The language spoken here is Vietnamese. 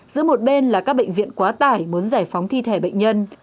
giữa một bên là các bệnh viện quá tải muốn giải phóng thi thể bệnh nhân